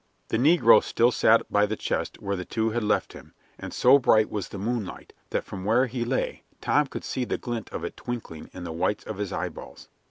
The negro still sat by the chest where the two had left him, and so bright was the moonlight that from where he lay Tom could see the glint of it twinkling in the whites of his eyeballs.